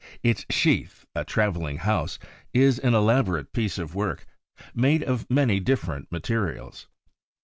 Its sheath, a traveling house, is an elaborate piece of work, made of many different materials.